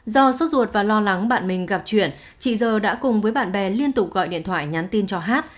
do sốt ruột và lo lắng bạn mình gặp chuyện chị giờ đã cùng với bạn bè liên tục gọi điện thoại nhắn tin cho hát